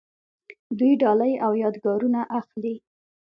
دوی ډالۍ او یادګارونه اخلي.